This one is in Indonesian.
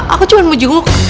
aku cuma mau jenguk